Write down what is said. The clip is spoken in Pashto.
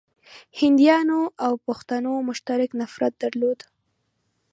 هنديانو او پښتنو مشترک نفرت درلود.